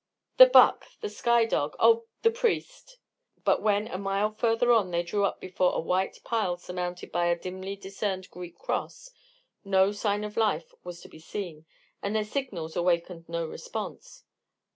"The 'buck' the sky dog oh, the priest!" But when, a mile farther on, they drew up before a white pile surmounted by a dimly discerned Greek cross, no sign of life was to be seen, and their signals awakened no response.